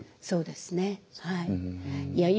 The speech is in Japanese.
そうですねはい。